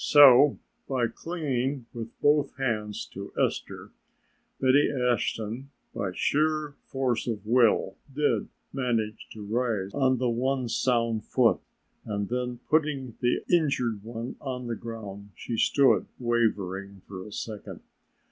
So by clinging with both hands to Esther, Betty Ashton, by sheer force of will, did manage to rise on the one sound foot and then putting the injured one on the ground she stood wavering for a second.